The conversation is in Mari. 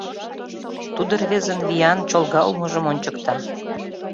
Тудо рвезын виян, чолга улмыжым ончыкта.